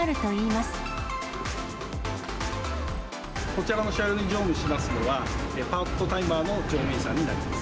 こちらの車両に乗務しますのは、パートタイマーの乗務員さんになります。